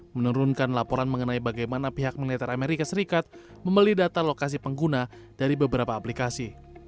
menurunkan laporan mengenai bagaimana pihak militer amerika serikat membeli data lokasi pengguna dari beberapa aplikasi